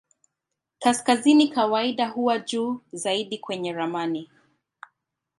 Kaskazini kawaida huwa juu zaidi kwenye ramani.